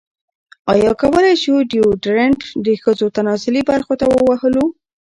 ایا کولی شو ډیوډرنټ د ښځو تناسلي برخو ته ووهلو؟